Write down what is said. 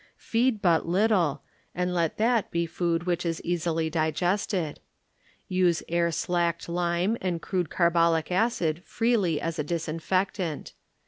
Feed but little, anil let that be food which is easily digested. Use air slacked lime and crude carbolic disinfectant.